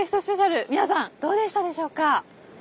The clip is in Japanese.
スペシャル皆さんどうでしたでしょうか？